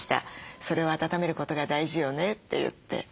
それを温めることが大事よねって言って。